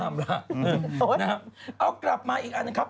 เอากลับมาอีกอันครับ